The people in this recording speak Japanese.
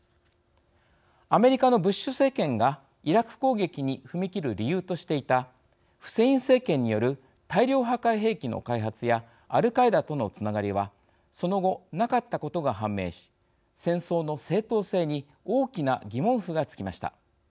アメリカのブッシュ政権がイラク攻撃に踏み切る理由としていたフセイン政権による大量破壊兵器の開発やアルカイダとのつながりはその後、なかったことが判明し戦争の正当性に大きな疑問符がつきました。